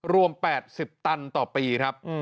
รวม๘๐ตันต่อปีครับ